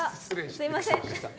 すみません。